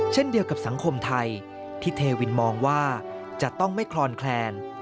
เช่นเดียวกับสังคมไทยที่เทวินมองว่าจะต้องไม่คลอนแคลน